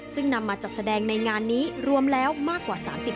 ซึ่งนำมาจัดแสดงในงานนี้รวมแล้วมากกว่า๓๐